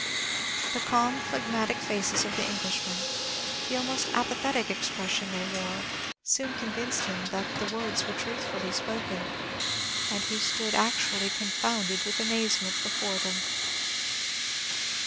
The calm, phlegmatic faces of the Englishmen, the almost apathetic expression they wore, soon convinced him that the words were truthfully spoken; and he stood actually confounded with amazement before them.